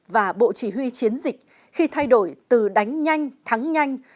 và bộ chỉ huy chiến dịch khi thay đổi từ đánh nhanh thắng nhanh